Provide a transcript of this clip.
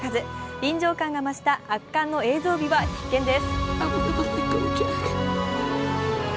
臨場感が増した圧巻の映像美は必見です。